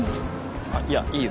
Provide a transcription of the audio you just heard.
あっいやいいよ。